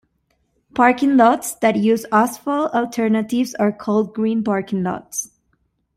Parking lots that use asphalt alternatives are called green parking lots.